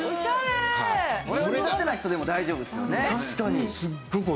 これは苦手な人でも大丈夫ですよね。